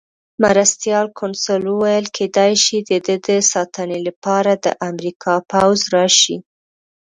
مرستیال کونسل وویل: کېدای شي د ده د ساتنې لپاره د امریکا پوځ راشي.